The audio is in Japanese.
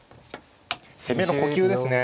攻めの呼吸ですね。